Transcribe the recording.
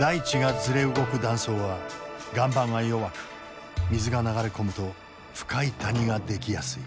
大地がズレ動く断層は岩盤が弱く水が流れ込むと深い谷が出来やすい。